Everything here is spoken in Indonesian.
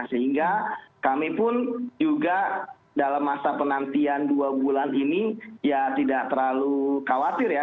sehingga kami pun juga dalam masa penantian dua bulan ini ya tidak terlalu khawatir ya